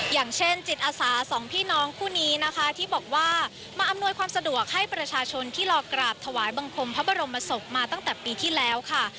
อย่างเช่นจิตอาสาสองพี่น้องคู่นี้นะคะที่บอกว่ามาอำนวยความสะดวกให้ประชาชนที่รอกราบถวายบังคมพระบรมศพมาตั้งแต่ปีที่แล้วค่ะ